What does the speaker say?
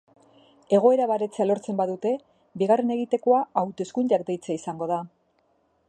Egoera baretzea lortzen badute, bigarren egitekoa hauteskundeak deitzea izango da.